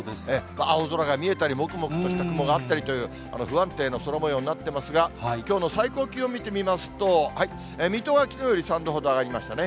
青空が見えたり、もくもくとした雲があったりという、不安定な空もようになっていますが、きょうの最高気温見てみますと、水戸はきのうより３度ほど上がりましたね。